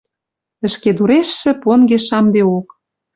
Ӹшкедурешшӹ понгеш шамдеок.